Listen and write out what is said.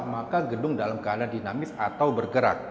maka gedung dalam keadaan dinamis atau bergerak